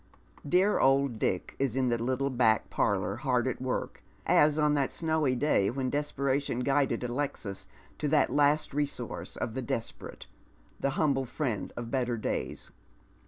Dear old Dick is in the little back parlour hai"d at work, as on that snowy day when desperation guided Alexis to that last resource of the desperate — the humble friend of better days.